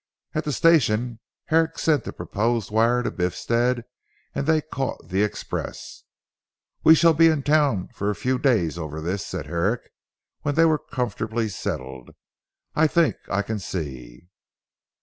At the station Herrick sent the proposed wire to Biffstead, and they caught the express. "We shall be in town for a few days over this," said Herrick when they were comfortably settled, "I think I can see."